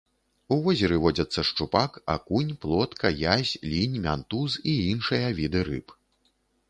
У возеры водзяцца шчупак, акунь, плотка, язь, лінь, мянтуз і іншыя віды рыб.